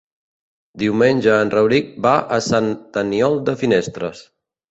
Diumenge en Rauric va a Sant Aniol de Finestres.